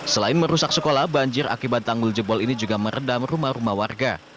selain merusak sekolah banjir akibat tanggul jebol ini juga meredam rumah rumah warga